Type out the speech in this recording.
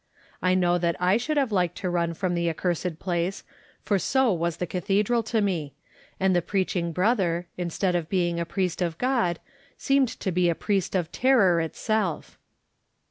I know that I should have liked to run from the accursed place, for so was the cathedral to me; and the preaching brother, instead of being a priest of God, seemed to be a priest of Terror itself.